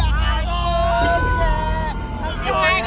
aku gak jadi serem kek